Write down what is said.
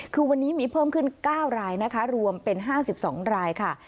คือวันนี้มีเพิ่มขึ้น๙รายนะคะรวมเป็น๕๒รายค่ะ